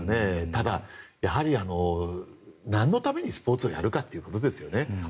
ただ、やはりなんのためにスポーツをやるかということですよね。